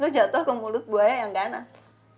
lo jatuh ke mulut gue yang ganas